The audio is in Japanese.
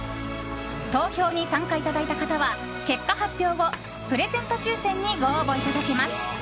投票に参加いただいた方は結果発表後、プレゼント抽選にご応募いただけます。